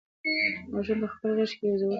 ماشوم په خپله غېږ کې یو زوړ ټوکر نیولی و.